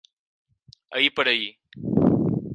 Ahir per ahir.